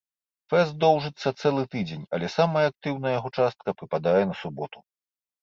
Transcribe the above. Фэст доўжыцца цэлы тыдзень, але самая актыўная яго частка прыпадае на суботу.